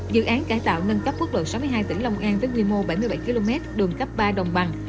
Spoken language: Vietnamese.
dự án cải tạo nâng cấp quốc lộ sáu mươi hai tỉnh long an với quy mô bảy mươi bảy km đường cấp ba đồng bằng